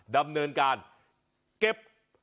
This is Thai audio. ดำเนินการเก็บ